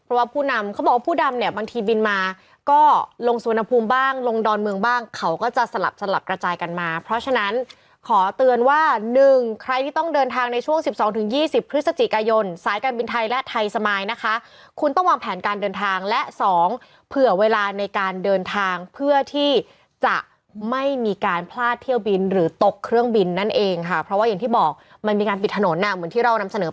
เพราะว่าผู้นำเขาบอกว่าผู้นำเนี่ยบางทีบินมาก็ลงสวนภูมิบ้างลงดอนเมืองบ้างเขาก็จะสลับสลับกระจายกันมาเพราะฉะนั้นขอเตือนว่า๑ใครที่ต้องเดินทางในช่วง๑๒๒๐พฤศจิกายนสายการบินไทยและไทยสมายนะคะคุณต้องวางแผนการเดินทางและ๒เผื่อเวลาในการเดินทางเพื่อที่จะไม่มีการพลาดเที่ยวบินหรือตกเคร